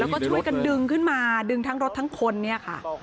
แล้วก็ช่วยกันดึงขึ้นมาดึงทั้งรถทั้งคนเนี่ยค่ะ